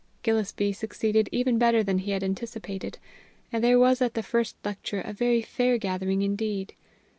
Gillespie succeeded even better than he had anticipated; and there was at the first lecture a very fair gathering indeed.